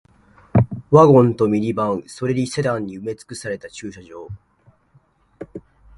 ワゴンとミニバン、それにセダンに埋め尽くされた駐車場